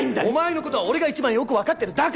お前の事は俺が一番よくわかってる。